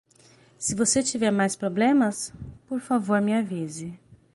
Se você tiver mais problemas?, por favor me avise.